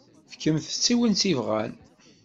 Fkemt-tt i win i tebɣamt.